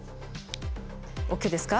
ＯＫですか？